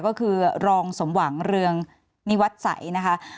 ก็คือรองสมหวังเรืองนิวัตรสัยนะคะ